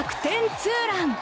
ツーラン。